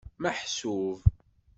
Meḥsub.